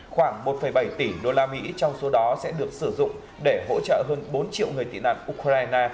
khoảng một bảy tỷ usd trong số đó sẽ được sử dụng để hỗ trợ hơn bốn triệu người tị nạn ukraine